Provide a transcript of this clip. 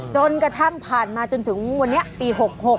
จนกระทั่งผ่านมาจนถึงวันนี้ปี๖๖